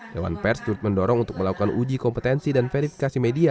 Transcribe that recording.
dewan pers turut mendorong untuk melakukan uji kompetensi dan verifikasi media